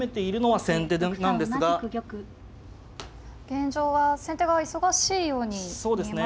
現状は先手が忙しいように見えますね。